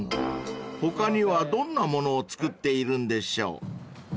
［他にはどんなものを作っているんでしょう？］